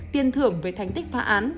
tiền thưởng về thành tích phá án